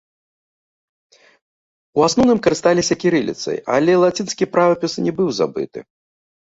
У асноўным карысталіся кірыліцай, але лацінскі правапіс не быў забыты.